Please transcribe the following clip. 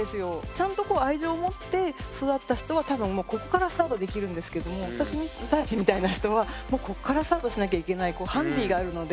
ちゃんとこう愛情を持って育った人は多分もうここからスタートできるんですけども私たちみたいな人はもうこっからスタートしなきゃいけないハンディがあるので。